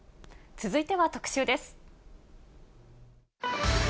続いては特集です。